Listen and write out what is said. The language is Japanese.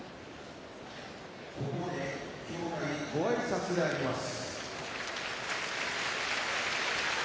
ここで協会ごあいさつであります。